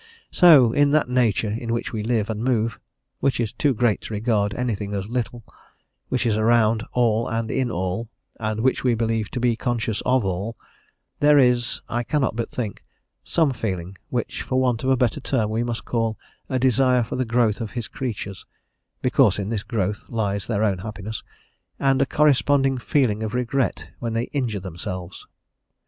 So, in that nature in which we live and move, which is too great to regard anything as little, which is around all and in all, and which we believe to be conscious of all, there is I cannot but think some feeling which, for want of a better term, we must call a desire for the growth of his creatures (because in this growth lies their own happiness), and a corresponding feeling of regret when they injure themselves.